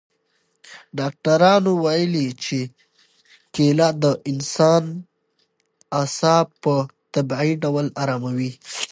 ډاکټرانو ویلي چې کیله د انسان اعصاب په طبیعي ډول اراموي.